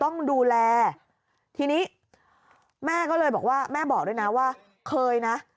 ต้องดูแลทีนี้แม่ก็เลยบอกว่าแม่บอกด้วยนะว่าเคยนะ